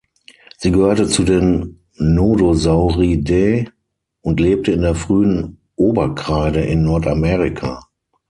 Sie gehörte zu den Nodosauridae und lebte in der frühen Oberkreide in Nordamerika.